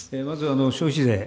まず消費税。